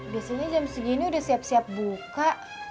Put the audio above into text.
biasanya jam segini udah siap siap buka